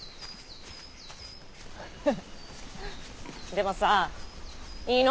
でもさいいの？